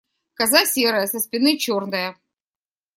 Коза серая, со спины черная.